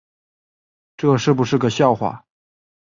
这是不是个笑话